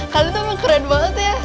kalian tuh keren banget ya